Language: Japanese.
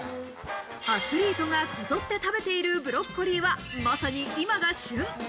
アスリートが、こぞって食べているブロッコリーは、まさに今が旬。